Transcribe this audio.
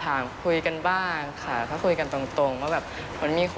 เขาก็ไม่ได้บอกว่าเขาหวังหรือว่ายังไง